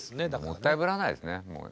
もったいぶらないですね。